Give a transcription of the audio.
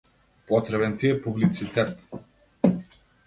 Потребен ти е публицитет.